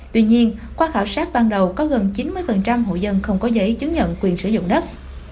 tuy nhiên qua khảo sát ban đầu có gần chín mươi hộ dân không có giấy chứng nhận quyền sử dụng đất